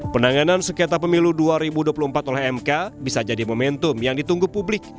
penanganan sengketa pemilu dua ribu dua puluh empat oleh mk bisa jadi momentum yang ditunggu publik